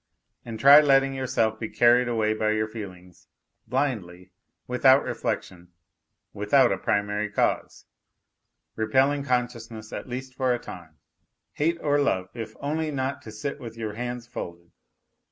And try letting yourself be carried away by your feelings, blindly, without reflection, without a primary cause, repelling consciousness at least for a time; hate or love, if only not to sit with your hands folded.